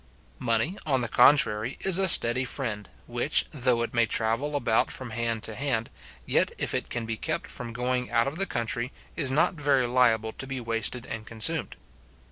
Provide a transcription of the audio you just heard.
Money, on the contrary, is a steady friend, which, though it may travel about from hand to hand, yet if it can be kept from going out of the country, is not very liable to be wasted and consumed.